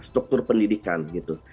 struktur pendidikan gitu